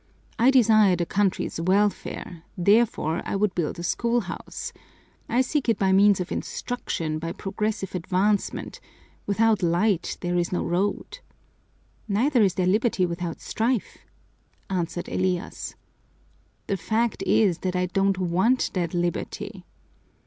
I desire the country's welfare, therefore I would build a schoolhouse. I seek it by means of instruction, by progressive advancement; without light there is no road." "Neither is there liberty without strife!" answered Elias. "The fact is that I don't want that liberty!"